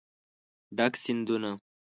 ډک سیندونه